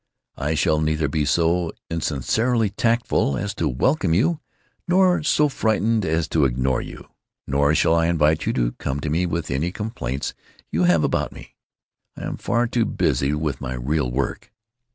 I shall neither be so insincerely tactful as to welcome you, nor so frightened as to ignore you. Nor shall I invite you to come to me with any complaints you have about me. I am far too busy with my real work!